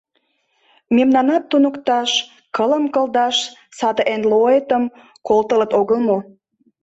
Мемнамат туныкташ, кылым кылдаш саде НЛО-этым колтылыт огыл мо?